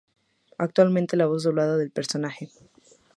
Actualmente dobla la voz del personaje Mr.